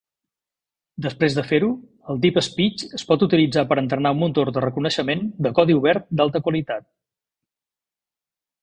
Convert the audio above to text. Després de fer-ho, el DeepSpeech es pot utilitzar per entrenar un motor de reconeixement de codi obert d'alta qualitat.